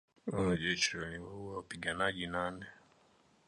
Wanajeshi waliwaua wapiganaji nane